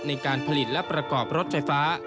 ในการผลิตและประกอบรถไฟฟ้า